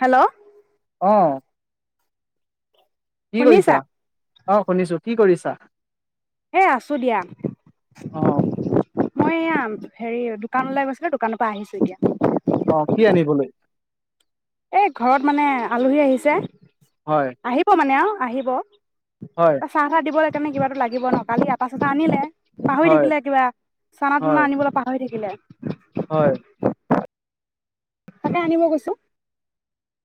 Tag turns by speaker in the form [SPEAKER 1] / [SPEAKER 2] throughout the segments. [SPEAKER 1] Hello
[SPEAKER 2] অ কি
[SPEAKER 1] শুনিছা
[SPEAKER 2] কৰিছা অ শুনিছো কি কৰিছা
[SPEAKER 1] এ আছো দিয়া
[SPEAKER 2] অ
[SPEAKER 1] মই এয়া হেৰি দোকান লাই গৈছিলো দোকানৰ পৰা আহিছো এতিয়া
[SPEAKER 2] অ কি আনিবলৈ
[SPEAKER 1] এই ঘৰত মানে আলহী আহিছে
[SPEAKER 2] হয়
[SPEAKER 1] আহিব মানে অ আহিব
[SPEAKER 2] হয়
[SPEAKER 1] ত চাহ তাত দিব লাগ সণে কিবাো লাগিব ন কালি তাৰপছতে আিলে পাহৰি
[SPEAKER 2] হয়
[SPEAKER 1] থাকিলে কিবা চানা
[SPEAKER 2] হয়
[SPEAKER 1] টানা আনিবলৈ পাহৰি থাকিলে
[SPEAKER 2] হয়
[SPEAKER 1] তাকে আনিব কৈছো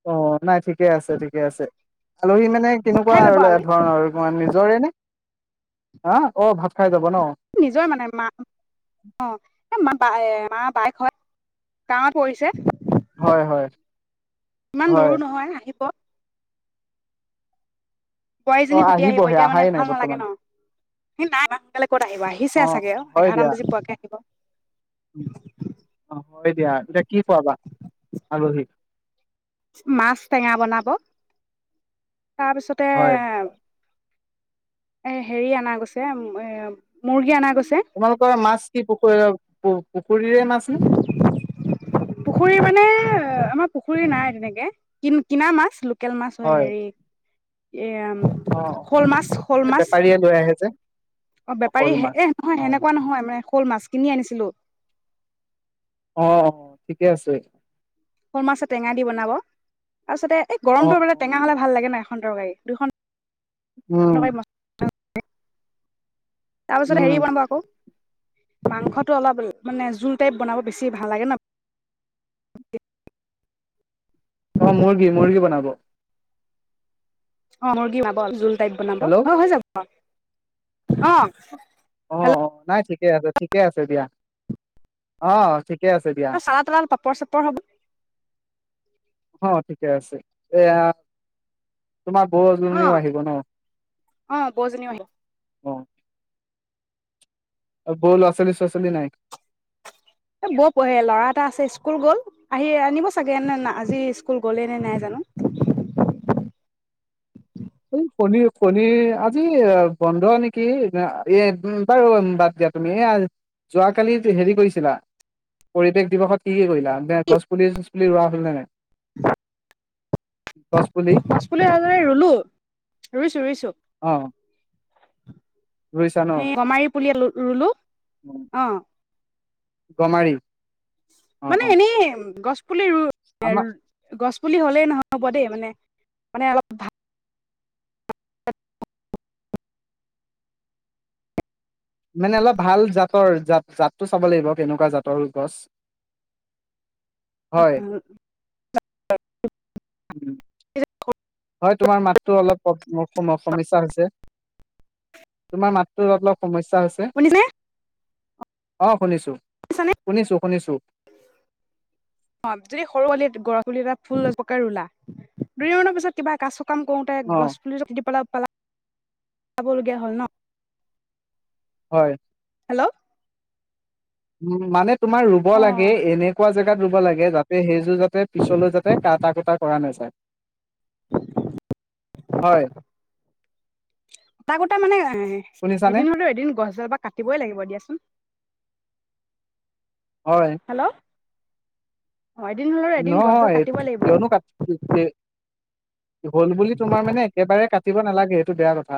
[SPEAKER 2] অ নাই ঠিক ঠিকে আছে ঠিকে আছে আলহী মানে কেনেকুৱা
[SPEAKER 1] খাই
[SPEAKER 2] আৰু
[SPEAKER 1] যাব আলহী
[SPEAKER 2] ধৰণৰ আৰু তাৰ নিজৰে নে অহ, অ', ভাত খাই যাব ন
[SPEAKER 1] নিজৰ মানে মা, অ', মা এ মা বাইক হয় গাঁৱত পৰিছে।
[SPEAKER 2] হয়, হয়।
[SPEAKER 1] ইমান
[SPEAKER 2] হয়
[SPEAKER 1] দূৰো নহয় আহিব।
[SPEAKER 2] অ
[SPEAKER 1] বোৱাৰীজনী সতি আহিব
[SPEAKER 2] আহিবহে
[SPEAKER 1] এতিয়া মানে
[SPEAKER 2] অহাই নাই
[SPEAKER 1] ভাল নালাগে
[SPEAKER 2] বৰ্তমান
[SPEAKER 1] ন সেই নাই সোনকালে ক'ত আহিব আহিছে চাগে অ',
[SPEAKER 2] হয় দিয়া
[SPEAKER 1] এঘাৰটান বজি পোৱাকে আহিব।
[SPEAKER 2] হয় দিয়া, এতিয়া কি খোৱাবা আলহীক?
[SPEAKER 1] মাছ টেঙা বনাব। তাৰপিছতে
[SPEAKER 2] হয়
[SPEAKER 1] এ হেৰি অনা গৈছে এ মুৰ্গী অনা গৈছে।
[SPEAKER 2] তোমালোকৰ মাছ কি পখুৱে পখ পখ কৰিৰে মাছ নে।
[SPEAKER 1] পুখুৰী মানে আমাৰ পুখুৰী নাই তেনেকে কিন কিনা মাছ লো লোকেল মাছ হয় হেৰি এয়া
[SPEAKER 2] অ অ
[SPEAKER 1] শ'ল মাছ, শ'ল
[SPEAKER 2] এই
[SPEAKER 1] মাছ।
[SPEAKER 2] বেপাৰীয়ে লৈ আহে যে
[SPEAKER 1] অ', বেপাৰী
[SPEAKER 2] অকল
[SPEAKER 1] হে
[SPEAKER 2] মাছ
[SPEAKER 1] এ নহয়
[SPEAKER 2] অ
[SPEAKER 1] সেনেকুৱা নহয় মানে শ'ল মাছ কিনি আনিছিলোঁ।
[SPEAKER 2] অ', অ', ঠিকে আছে।
[SPEAKER 1] শ'ল মাছ এ টেঙা দি বনাব। তাৰপাছতে এই
[SPEAKER 2] অ অ
[SPEAKER 1] গৰমটো বে টেঙা হ'লে ভাল লাগে না। খন তৰকাৰী দুখন
[SPEAKER 2] উম।
[SPEAKER 1] তাৰ পিছত
[SPEAKER 2] উম
[SPEAKER 1] হেৰি বনাব আকৌ। মাংসটো অলপ মানে জোল টাইপ বনাব বেছি ভাল লাগে ন'।
[SPEAKER 2] অ মুৰ্গী মুৰ্গী বনাব
[SPEAKER 1] অ' মুৰ্গী [unintelligible] বনাব
[SPEAKER 2] হেল্ল'
[SPEAKER 1] হয় হয় যাব। অ'।
[SPEAKER 2] অ'
[SPEAKER 1] হেল্ল'
[SPEAKER 2] অ' নাই ঠিকে আছে ঠিকে আছে দিয়া অ'। আছে দিয়া
[SPEAKER 1] চালাত তলাত পাপৰ চাপৰ হব।
[SPEAKER 2] অ' ঠিকে আছে, এয়া। তোমাৰ বও
[SPEAKER 1] অ
[SPEAKER 2] জনিও আহিব ন?
[SPEAKER 1] অ' বওজনীও আহি
[SPEAKER 2] অ'। বওফ ল'ৰা ছোৱালী নাই?
[SPEAKER 1] এ বওৰ পঢে ল'ৰা এটা আছে, স্কুল গল। আহি আনিব চাগে, নে আজি স্কুল গলেই নে নাই জানো।
[SPEAKER 2] এই শনিৰ শনিৰ আজি বন্ধ নেকি? এ বাৰু বাদ দিয়া, তুমি এ যোৱাকালি হেৰি কৰিছিলা পৰিৱেশ দিৱসত কি কি কৰিলা? গছ পুলি চছ পুলি ৰোৱা হল নে নাই? গছ পুলি
[SPEAKER 1] গছপুলি--হাজৰে ৰুলো। ৰুইছো ৰুইছো।
[SPEAKER 2] ৰৈছা ন।
[SPEAKER 1] পুলিয় আ- ৰুলোঁ। আহ।
[SPEAKER 2] গমাৰি। অ
[SPEAKER 1] মানে
[SPEAKER 2] অ
[SPEAKER 1] এনেই, গছ। কুলিৰো।
[SPEAKER 2] আমাৰ
[SPEAKER 1] গছ। তুলি হ'লেই নহয় হ'ব দেই। মানে, মানে অলপ ভাল।
[SPEAKER 2] মানে অলপ ভাল জাতৰ, জাত জাতটো চাব লাগিব কেনেকুৱা জাতৰ গছ। হয়। হয়, তোমাৰ মাততো অলপ সম সমস্যা হৈছে। তোমাৰ মাতটো অলপ অলপ - সমস্যা হৈছে?
[SPEAKER 1] শুনিছেনে
[SPEAKER 2] অ শুনিছো,
[SPEAKER 1] শুনিছানে
[SPEAKER 2] শুনিছো শুনিছো।
[SPEAKER 1] গৰা পুলি এটা ফুলকে ৰুলা -দুই মৰ পিছত কিবা ক কাম কোৰোতে
[SPEAKER 2] অ
[SPEAKER 1] গছ পুলি পাটিবলে পালা? চাবলগীয়া হ'ল ন।
[SPEAKER 2] হয়।
[SPEAKER 1] হেল্ল'।
[SPEAKER 2] উম মানে। তোমাৰ ৰুব
[SPEAKER 1] অ
[SPEAKER 2] লাগে, এনেকুৱা জেগা ৰুব লাগে যাতে, সেইযোৰ যাতে, পিছলৈ যাতে কাটা কুটা কৰা নাযায়। হয়
[SPEAKER 1] কটা কুটা মানে, এ
[SPEAKER 2] শুনিছানে
[SPEAKER 1] এদিন হলেও এদিন গছডালপ কাটিবই লাগিব দিয়াচোন।
[SPEAKER 2] হয়।
[SPEAKER 1] হেল্ল' অ এদিন হলেও
[SPEAKER 2] ন
[SPEAKER 1] এদিন গছডাল কাটিব লাগিব
[SPEAKER 2] তেওঁ ন ক হ'ল বুলি তোমাৰ মানে একেবাৰে ক পাতিব নালাগে এইেটো বেয়া কথা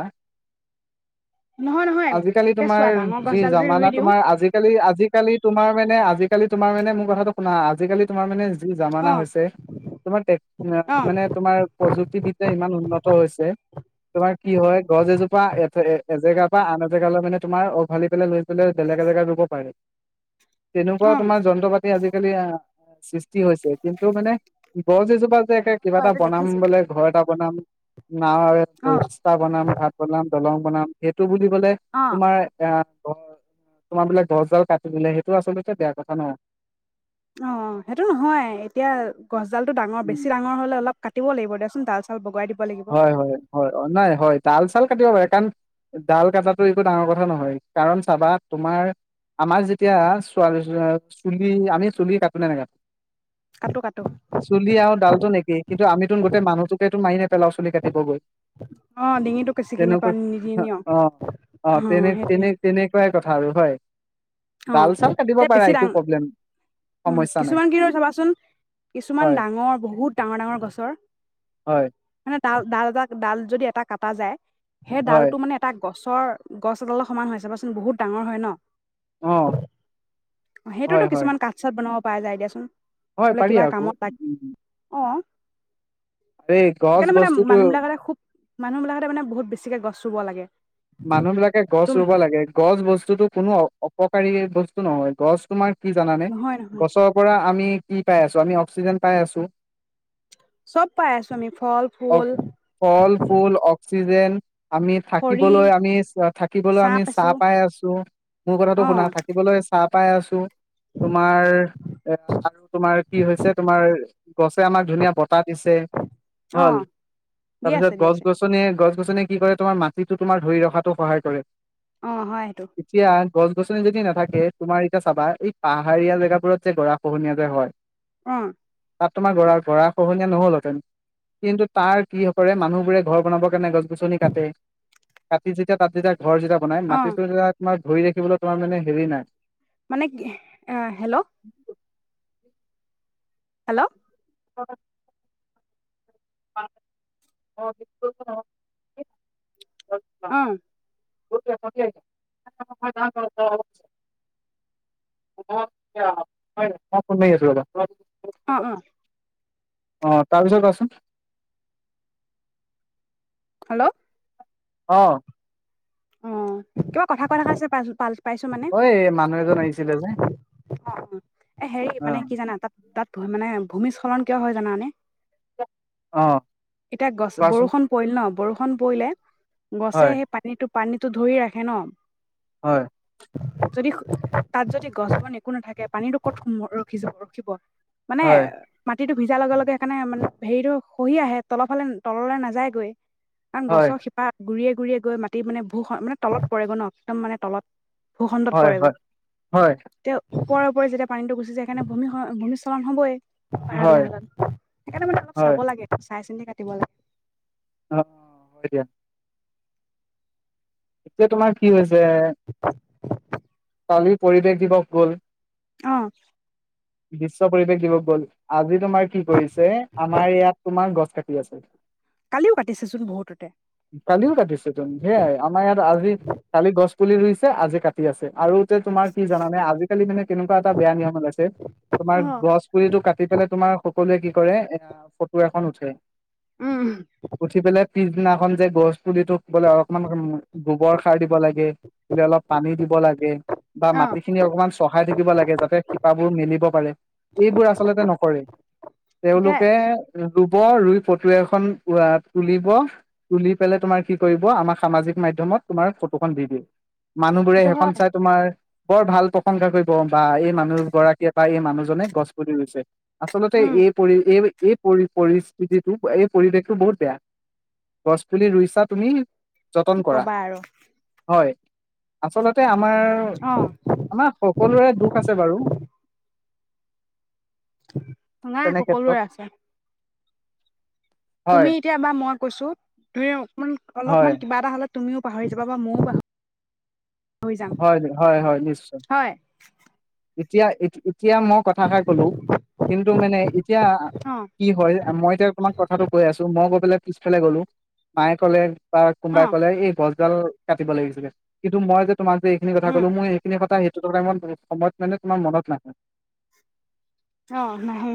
[SPEAKER 1] নহয় নহয়
[SPEAKER 2] আজিকালি
[SPEAKER 1] এতিয়া
[SPEAKER 2] তোমাৰ
[SPEAKER 1] চোৱা ডাঙৰ
[SPEAKER 2] যি
[SPEAKER 1] গছডাল যদি
[SPEAKER 2] জামানা
[SPEAKER 1] ৰুই দিওঁ
[SPEAKER 2] তোমাৰ আজিকালি আজি আজিকালি তোমাৰ মানে আজিকালি তোমাৰ মানে মোৰ কথাটো শুনা আজিকালি তোমাৰ মানে য জামানা
[SPEAKER 1] অ
[SPEAKER 2] হৈছে তোমাৰ
[SPEAKER 1] অ
[SPEAKER 2] মানে তোমাৰ প্ৰযুক্তিবিদ্যা ইমান উন্নত হৈছে তোমাৰ কি হয় গছ এজোপা এ এজেগা বা আন এজেগালৈ মানে তোমাৰ উওভালি পেলাই লৈ পেলাই বেলেগ এজেগাত ৰুব পাৰে
[SPEAKER 1] অ
[SPEAKER 2] তেনেকুৱাও
[SPEAKER 1] হয়
[SPEAKER 2] তোমাৰ যন্ত্ৰ পাতি আজিকালি আহ [unintelligible] হৈছে কিন্তু মানে গছ এজোপা কিবা এটা
[SPEAKER 1] এইটো
[SPEAKER 2] বনাম
[SPEAKER 1] দেখিছো
[SPEAKER 2] বোলে ঘৰ এটা বনাম ন
[SPEAKER 1] অ
[SPEAKER 2] ৰাস্তা বনামি ঘাট পলাম দলং বনাম খে টো বুলি কলে
[SPEAKER 1] অ
[SPEAKER 2] তোমাৰ এ তোমাৰ বিলাক দহ জাল কাটি দিলে সেইটো আচলতে বেয়া কথা ন
[SPEAKER 1] অ সেইটো নহয় এতিয়া গছডালটো ডাৰ বেছি ডাঙৰ'লেল ক দিব লিব দেচোন চাল চাল বগাই দিব লাগিব
[SPEAKER 2] হয় হয় হয় নাই হয় তাল চাল কাটিব পাৰে কাৰণ ডাল কটাটো একো ডাঙৰ কথা নহয় কাৰণ চাবা তোমাৰ আমাৰ যেতিয়াোৱাল চুলি আমি চুলি কাটোনেে নে কো
[SPEAKER 1] কাটো কাটো
[SPEAKER 2] চুলি আৰু ডাল নে কিন্তু আমিতো গো মানুহোকেেত মিাপ পেলাও চলুলি কাটিবগৈ
[SPEAKER 1] অ ডিঙিটো ছিগি
[SPEAKER 2] তেনেুৱ
[SPEAKER 1] নাপা নিদি নিয়
[SPEAKER 2] অ অ তেনে তেনে তেনে কাই ক াৰ হয়
[SPEAKER 1] অ
[SPEAKER 2] ডাল চাল কাটিব
[SPEAKER 1] এ
[SPEAKER 2] পাৰা
[SPEAKER 1] বেছি
[SPEAKER 2] একো
[SPEAKER 1] ডাঙ
[SPEAKER 2] প্ৰব্লেম
[SPEAKER 1] উ
[SPEAKER 2] সমস্যা নাই
[SPEAKER 1] কিছুমান কি ৰয় চাবাচোন কিছুমান
[SPEAKER 2] হয়
[SPEAKER 1] ডাঙৰ বহুত ডাঙৰ ডাঙৰ গছৰ
[SPEAKER 2] হয়
[SPEAKER 1] মানে ডাল ডাল এটা ডাল যদি এটা কটা যায় সেই
[SPEAKER 2] হয়
[SPEAKER 1] ডালটো মানে এটা গছৰ গছ এডাল সমান হৈ চাবচোন বহুত ডাঙৰ হয় ন
[SPEAKER 2] অ
[SPEAKER 1] সেইটোতো
[SPEAKER 2] হয় হয়
[SPEAKER 1] কিছুমান কাঠ চাত বনাব পাই যায় দিয়াচোন
[SPEAKER 2] হয়
[SPEAKER 1] বোলে
[SPEAKER 2] পাৰি
[SPEAKER 1] কিবা
[SPEAKER 2] আক
[SPEAKER 1] কামত লাগে অ
[SPEAKER 2] আ গছ বস্তুটো
[SPEAKER 1] মানুহবিলাকতে মে বহুত বেছিকে গছ ৰুব লাগে
[SPEAKER 2] মানুহ বিলাকে গছ
[SPEAKER 1] তুম
[SPEAKER 2] ৰুব লাগে গছ বস্তুতো কোনো অপকাৰী বস্তু নহয় গছ তোমাৰ কি জানানে
[SPEAKER 1] নহয় নহয়
[SPEAKER 2] গছৰ পৰা আমি কি পাই আছো আমি অক্সিজেন পাই আছো
[SPEAKER 1] চব পাই আছো আমি ফল
[SPEAKER 2] অ
[SPEAKER 1] ফুল
[SPEAKER 2] ফল ফুল [unintelligible]
[SPEAKER 1] খৰি
[SPEAKER 2] থাকিবলৈ আমি থাকিবলৈ
[SPEAKER 1] চাহ
[SPEAKER 2] আমি
[SPEAKER 1] পাইছো
[SPEAKER 2] ছাঁ পাই আছো মোৰ কথাটো
[SPEAKER 1] অ
[SPEAKER 2] শুনা থাকিবলৈ ছাঁ পাই আছো তোমাৰ এ আৰু তোমাৰ কি হৈছে তোমাৰ গছে আমাক ধুনীয়া বতাহ দিছে
[SPEAKER 1] অ
[SPEAKER 2] হল
[SPEAKER 1] দি আছে
[SPEAKER 2] তাৰপিছত
[SPEAKER 1] দি
[SPEAKER 2] গছ
[SPEAKER 1] আছে
[SPEAKER 2] গছনি গছ নে কি কৰে তোমাৰ মা যিটো তোমাৰ ধৰি ৰখাতটো সহায় কৰে
[SPEAKER 1] অ হয় সেইটো
[SPEAKER 2] এতিয়া গছ গছনি যদি নাথাকে তোমাৰ এতিয়া চাবা এই পাহাৰীয়া জেগাবোৰত যে গৰা খহনীয়া যে হয়
[SPEAKER 1] উম
[SPEAKER 2] তাত তোমাৰ গৰা গৰা খহনীয়া নহলতেন কিন্তু তাৰ কি কৰে মানুহবোৰে ঘৰ বনাবৰ কাৰণে গছ গছনি কাটে [unintelligible] ঘৰ যেতিয়া বনাই
[SPEAKER 1] অ
[SPEAKER 2] মাটিটো যেতিয়া তোমাৰ ধৰি ৰাখিবলৈ তোমাৰ মানে হেৰি নাই
[SPEAKER 1] মানে কি আহ হেল্ল' হেল্ল'
[SPEAKER 2] অ
[SPEAKER 1] অ
[SPEAKER 2] আচ্ছা [unintelligible]
[SPEAKER 1] অ অ
[SPEAKER 2] অ তাৰপিছত কোৱাচোন
[SPEAKER 1] হেল্ল'
[SPEAKER 2] অ
[SPEAKER 1] অ কিবা কথা কথা কৈ দেখাইছে পাল পাইছো মানে
[SPEAKER 2] ঐ মানুহ এজন আহিছিলে যে
[SPEAKER 1] অ অ এ হেৰি মানে
[SPEAKER 2] অ'।
[SPEAKER 1] কি জানা তাত তাত মানে ভূমিস্খলন কিয় হয় জানানে
[SPEAKER 2] অ'
[SPEAKER 1] এতিয়া গছ
[SPEAKER 2] কোৱাচোন
[SPEAKER 1] বৰষুণ পৰিল ন বৰষুণ [unintelligible] গছে
[SPEAKER 2] হয়,
[SPEAKER 1] সেই পানীটো পান টো ধৰি ৰাখে ন
[SPEAKER 2] হয়
[SPEAKER 1] যদি তাত যদি গছ বন একো নাথাকে পানীতটো ক'ত সম ৰখি য ৰখিব মানে
[SPEAKER 2] হয়,
[SPEAKER 1] মাটিটো সিজা লগে লগে সেইকাৰণে মানে হেৰিটো সহি আহে তলৰ ফালে তললৈ নাযায়গৈ কাৰ
[SPEAKER 2] হয়,
[SPEAKER 1] গছৰ শিপা গুৰিয়ে গুৰিয়য়ে গৈ মাটি মানে ভ মানে তলত পৰেগ' ন একদম মানে তলত
[SPEAKER 2] হয় হয় হয়
[SPEAKER 1] ওপৰা ওপৰি যেতিয়া পানীটো গুছি য়ায় তেতিয়া ভূমি ভূমিস্হলন হবই প় বিলা
[SPEAKER 2] হয়,
[SPEAKER 1] হত সেইকাৰণে মানে অলপ
[SPEAKER 2] হয়,
[SPEAKER 1] চাব লাগে চাই চিন্তি কাটিব লাগে
[SPEAKER 2] অয়া যে তোমাৰ কি হৈছে কালিৰ পৰিৱেশ দিৱস গ'ল
[SPEAKER 1] অ
[SPEAKER 2] বিশ্ব পৰিৱেশ দিবস গ'ল আজি তোমাৰ কি কৰিছে আমাৰ ইয়াত তোমাৰ গছ কাটি আছে
[SPEAKER 1] কালিও কাটিছেচোন বহুততে
[SPEAKER 2] কালিও কাটিছে তুম সেয়াই আমাৰ ইয়াত আজি কালি গছ তুলি ৰুইছে আজি কাটি আছে আৰু তোমাৰ কি জানানে আজিকালি মানে কেনেকুৱা এটা বেয়া নিয়ম ওলাইছে তোমাৰ
[SPEAKER 1] অ
[SPEAKER 2] গছ পুৰিটো কাটি পেলাই তোমাৰ সকলোৱে কি কৰে এ ফটো এখন উঠে
[SPEAKER 1] উম
[SPEAKER 2] উঠি পেলাই পিছ ন এখন যে গোষ্ট পুলিতোক বোলে অকমান গোবৰ সাৰ দিব লাগে বোলে অলপ পানী দিব লাগে বা
[SPEAKER 1] অ
[SPEAKER 2] মাটি খিনি অকমান চহাই থাকিব লাগে যাতে শিপাবোৰ মেলিব পাৰে এইবোৰ আচলতে নকৰে
[SPEAKER 1] এতিয়া
[SPEAKER 2] তেওঁলোকে ৰুই ফটুৱা এখন তুলিব তুলি পেলাই তোমাৰ কি কৰিব আমাৰ সামাজিক মাধ্যয়মত তোমাৰ ফটোখন দি দিম মানুহবোৰে
[SPEAKER 1] সেইটো
[SPEAKER 2] সেইখন
[SPEAKER 1] হয়
[SPEAKER 2] চাই তোমাৰ বৰ ভাল প্ৰশংসা কৰিব বা এই মানুহ গৰাকীয়ে বা এই মানুহজনে গছপুলি ৰুইছে আচলতে
[SPEAKER 1] উম
[SPEAKER 2] এই পৰি এই এই পৰি পৰিস্থিতিটো এই পৰিৱেশটো বহুত বেয়া গছপুলি ৰুইছা তুমি
[SPEAKER 1] কি
[SPEAKER 2] যতন কৰা
[SPEAKER 1] কবা আৰু
[SPEAKER 2] হয় আচলতে আমাৰ
[SPEAKER 1] অ
[SPEAKER 2] আমাৰ সকলোৰে দুখ আছে বাৰু
[SPEAKER 1] নাই
[SPEAKER 2] তেনে
[SPEAKER 1] সকলোৰে
[SPEAKER 2] ক্ষেত্ৰত
[SPEAKER 1] আছে
[SPEAKER 2] হয়
[SPEAKER 1] তুমি এতিয়া বা মউ কৈছো দুয়ো
[SPEAKER 2] হয়
[SPEAKER 1] অলপমান কিবা এটা হ'লে তুমিও পাহৰি যাবা বা ময়ো পাহৰি যাম
[SPEAKER 2] হয় হয় হয় নিশ্চয়
[SPEAKER 1] হয়
[SPEAKER 2] এতিয়া এতিয়া মই কথাষাৰ ক'লো কিন্তু মানে এতিয়া
[SPEAKER 1] অ
[SPEAKER 2] কি হয় মই এতিয়া তোমাক কথাটো কৈ আছো মই গৈ পেলাই পিছফেলে গলো মায়ে কলে বা
[SPEAKER 1] অ
[SPEAKER 2] কোনোবাই ক'লে এই ডাল কাটিব লাগিছিলে কিন্তু মই [unintelligible] তোমাক যে এইখিনি কথা
[SPEAKER 1] উম
[SPEAKER 2] কলো মই এইখিনি কথা [unintelligible] সময় মানে তোমাৰ মনত নাহে
[SPEAKER 1] অ নাহে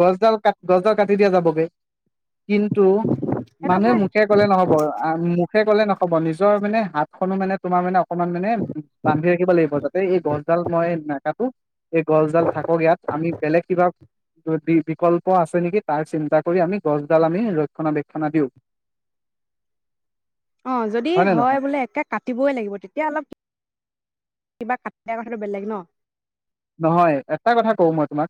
[SPEAKER 2] গছডাল কাট গছডাল কাটি দিয়া যাবগে কিন্তু
[SPEAKER 1] সেইটো
[SPEAKER 2] মানুহে
[SPEAKER 1] হয়
[SPEAKER 2] মুখে কলে নহব মুখে কলে নহব হ'ব নিজৰ মানে হাত খনো মানে তোমাৰ মানে অকনমান মানে বান্ধি ৰাখিব লাগিব যাতে এই গছডাল মই ন কাটো এই গছডাল থাকক ইয়াত আমি বেলেগ কিবা বিকল্প আছে নেকি তাৰ চিন্তা কৰি আমি গছডাল আমি ৰক্ষণাবেক্ষণা দিওঁ
[SPEAKER 1] অ যদি
[SPEAKER 2] নে
[SPEAKER 1] হয়
[SPEAKER 2] নহয়
[SPEAKER 1] বোলে একে কাটিবই লাগিব তেতিয়া অলপ কিবা কাট দিয়া কথাটো বেলেগ ন
[SPEAKER 2] নহয় এটা কথা কওঁ মই তোমাক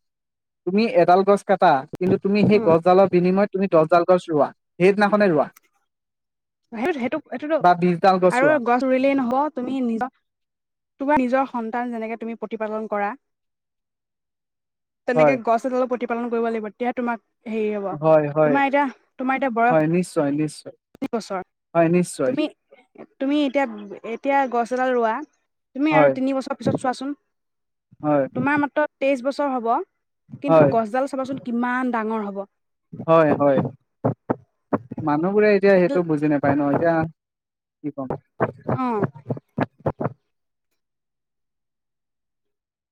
[SPEAKER 2] তুমি এডাল গছ কাটা কিন্তু তুমি সেই
[SPEAKER 1] উম
[SPEAKER 2] গছডালৰ বিনিময়ত তুমি দছ ডাল গছ ৰোৱা সেইদিনাখনে ৰোৱা
[SPEAKER 1] সেই সেইটো সেইটোতো
[SPEAKER 2] বা বিশডাল
[SPEAKER 1] আৰু
[SPEAKER 2] ৰোৱা
[SPEAKER 1] গছ ৰুলেই নহব তুমি নিজ তোমাৰ নিজৰ স ন্তান যেনেকে তুমি প্ৰতিপালন কৰা
[SPEAKER 2] হয়
[SPEAKER 1] তেনেকে গছ এডাল প্ৰতি পালন কৰিব লাগিব তেতিয়া তোমাক হেৰি হ'ব
[SPEAKER 2] হয় হয়
[SPEAKER 1] তোমাৰ এতিয়া তোমাৰ এতিয়া বয়স
[SPEAKER 2] হয় নিশ্চয় [unintelligible]
[SPEAKER 1] বছৰ
[SPEAKER 2] হয় নিশ্চয়
[SPEAKER 1] তুমি তুমি এতিয়া এতিয়া গছ এডাল ৰোৱা তুমি আৰু
[SPEAKER 2] হয়
[SPEAKER 1] তিনি বছৰ পিছত চোৱাচোন
[SPEAKER 2] হয়
[SPEAKER 1] তোমাৰ মতত তেইশ বছৰ হ'ব কিন্তু
[SPEAKER 2] হয়
[SPEAKER 1] গছডাল চাবাচোন কিমান ডাঙৰ হ'ব
[SPEAKER 2] হয় হয় মানুহবোৰে এয়া সেইটো বুজি নাপায় ন এতিয়া কি ক'ম।
[SPEAKER 1] আহ